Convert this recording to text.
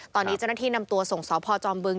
ตอนนี้เจ้าหน้าที่นำตัวส่งสพจอมบึง